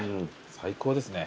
最高ですね。